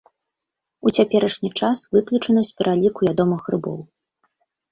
У цяперашні час выключана з пераліку ядомых грыбоў.